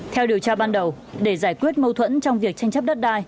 theo điều tra ban đầu để giải quyết mâu thuẫn trong việc tranh chấp đất đai